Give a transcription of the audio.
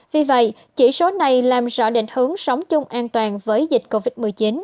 vì vậy chỉ số này làm rõ định hướng sống chung an toàn với dịch covid một mươi chín